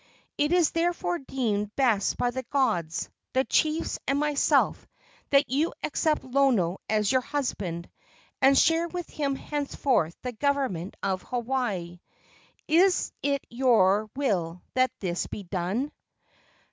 It is therefore deemed best by the gods, the chiefs and myself that you accept Lono as your husband, and share with him henceforth the government of Hawaii. Is it your will that this be done?"